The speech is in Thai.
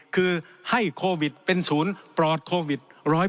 คือให้โควิดเป็นศูนย์ปลอดโควิด๑๙